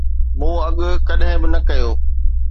مون اڳ ڪڏهن به نه ڪيو